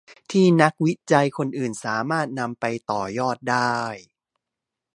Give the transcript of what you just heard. ที่นักวิจัยคนอื่นสามารถนำไปต่อยอดได้